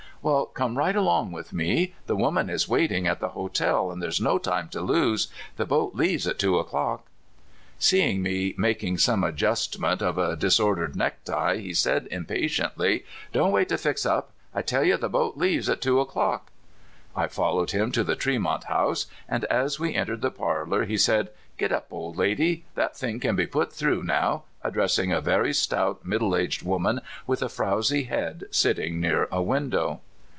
*' Well, come right along with me. The woman is waiting at the hotel, and there's no time to lose. The boat leaves at two o'clock." Seeing me making some adjustment of a disor dered necktie, he said impatiently: '* Don't wait to fix up. I tell you the boat leaves at two o'clock." I followed him to the Tremont House, and as we entered the parlor he said, '' Git up, old lady; that thing can be put through now," addressing a very stout, middle aged woman with a frowsy head, sitting near a window.